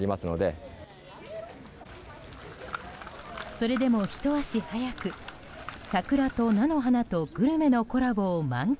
それでもひと足早く桜と菜の花とグルメのコラボを満喫。